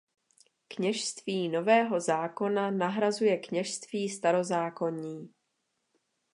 Kněžství Nového zákona nahrazuje kněžství starozákonní.